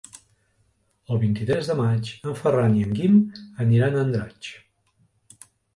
El vint-i-tres de maig en Ferran i en Guim aniran a Andratx.